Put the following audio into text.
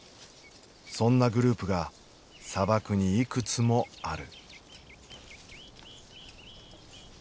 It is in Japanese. そんなグループが砂漠にいくつもある。